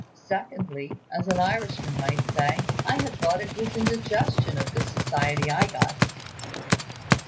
Secondly, as an Irishman might say, I had thought it was indigestion of the society I got."